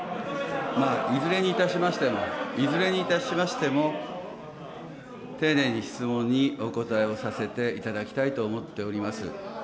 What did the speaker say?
いずれにいたしましても、いずれにいたしましても、丁寧に質問にお答えをさせていただきたいと思っております。